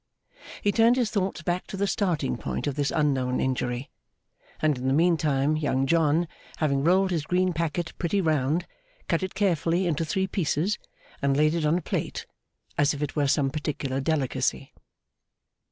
He turned his thoughts back to the starting point of this unknown injury; and in the meantime Young John, having rolled his green packet pretty round, cut it carefully into three pieces, and laid it on a plate as if it were some particular delicacy.